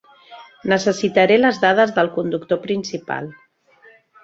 Necessitaré les dades del conductor principal.